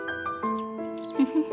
フフフ。